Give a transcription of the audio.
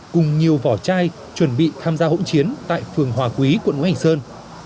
cùng nhiều vỏ chai chuẩn bị tham gia hỗn chiến tại phường hòa quý quận ngũ hành sơn